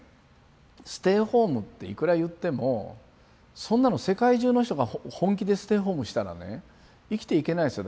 ステイホームっていくら言ってもそんなの世界中の人が本気でステイホームしたらね生きていけないですよ